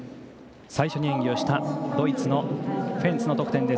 最初に演技したドイツのフェンツの得点。